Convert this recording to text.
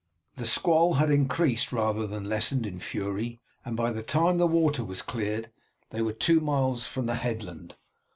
The squall had increased rather than lessened in fury, and by the time the water was cleared out they were two miles from the headland.